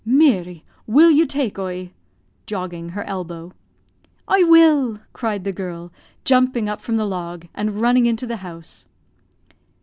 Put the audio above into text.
"Meary, will you take oie?" (jogging her elbow.) "I will," cried the girl, jumping up from the log, and running into the house.